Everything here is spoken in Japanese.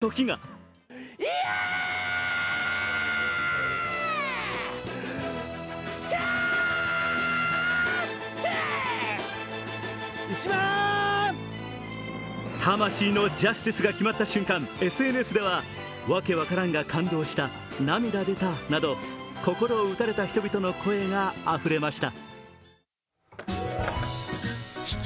そして昨日夜８時前ついにそのときが魂の「ジャスティス」が決まった瞬間、ＳＮＳでは、わけわからんが感動した、涙出たなど心を打たれた人々の声があふれました。